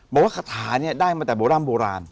บอกว่าคาถานี่ได้มาตั้งแต่โบราณ